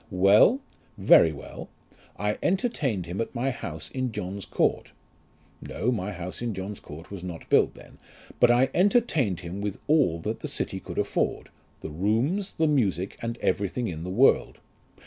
"Well ; very well. I entertained him at my house in John's Court. (No, my house in John's Court was not built then) ; but I entertained him with all that the city could afford ; the rooms, the music, and everything in the world.